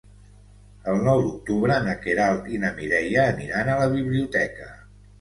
El nou d'octubre na Queralt i na Mireia aniran a la biblioteca.